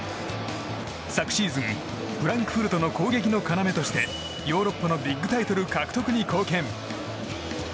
昨シーズンフランクフルトの攻撃の要としてヨーロッパのビッグタイトル獲得に貢献。